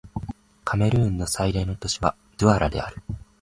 カメルーンの最大都市はドゥアラである